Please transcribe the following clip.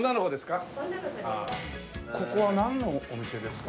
ここはなんのお店ですか？